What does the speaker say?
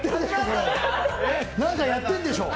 何かやってるでしょう？